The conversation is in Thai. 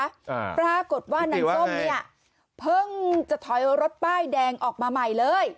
อ่าปรากฏว่านางส้มเนี้ยเพิ่งจะถอยรถป้ายแดงออกมาใหม่เลย